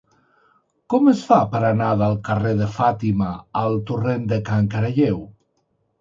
Com es fa per anar del carrer de Fàtima al torrent de Can Caralleu?